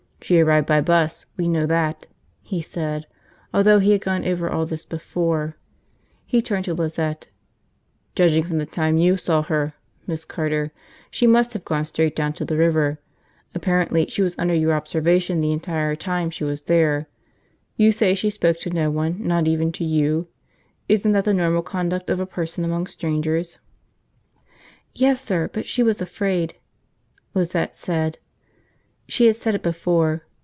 "She arrived by bus, we know that," he said, although he had gone over all this before. He turned to Lizette. "Judging from the time you saw her, Miss Carter, she must have gone straight down to the river. Apparently she was under your observation the entire time she was there. You say she spoke to no one, not even to you. Isn't that the normal conduct of a person among strangers?" "Yes, sir. But she was afraid," Lizette said. She had said it before.